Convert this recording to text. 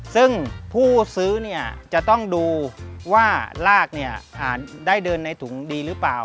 ซึ่งผู้ซื้อจะต้องดูว่ารากได้เดินในถุงดีหรือเปล่า